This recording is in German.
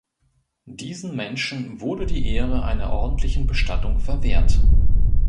Diesen Menschen wurde die Ehre einer ordentlichen Bestattung verwehrt.